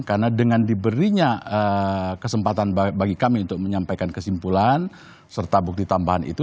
karena dengan diberinya kesempatan bagi kami untuk menyampaikan kesimpulan serta bukti tambahan itu